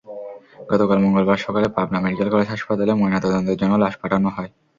গতকাল মঙ্গলবার সকালে পাবনা মেডিকেল কলেজ হাসপাতালে ময়নাতদন্তের জন্য লাশ পাঠানো হয়।